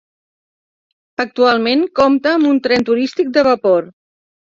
Actualment compta amb un tren turístic de vapor.